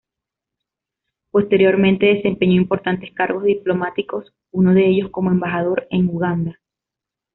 Posteriormente desempeñó importantes cargos diplomáticos, uno de ellos como embajador en Uganda.